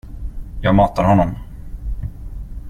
Jag matar honom.